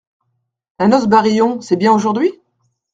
La noce Barillon, c’est bien aujourd’hui ?